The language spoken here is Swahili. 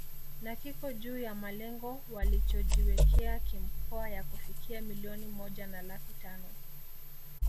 Na kiko juu ya malengo walichojiwekea kimkoa ya kufikia milioni moja na laki tano